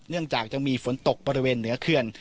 จากจะมีฝนตกบริเวณเหนือเขื่อน